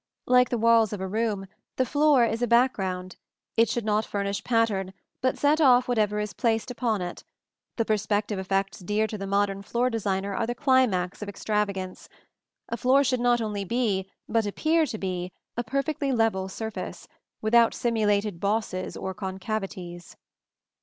Like the walls of a room, the floor is a background: it should not furnish pattern, but set off whatever is placed upon it. The perspective effects dear to the modern floor designer are the climax of extravagance. A floor should not only be, but appear to be, a perfectly level surface, without simulated bosses or concavities.